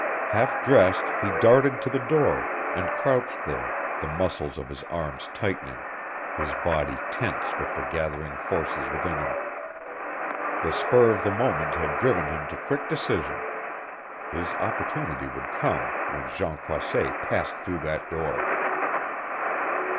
Half dressed he darted to the door, and crouched there, the muscles of his arms tightening, his body tense with the gathering forces within him. The spur of the moment had driven him to quick decision. His opportunity would come when Jean Croisset passed through that door!